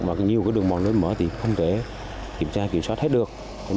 và nhiều đường bò nối mở thì không thể kiểm tra kiểm soát hết được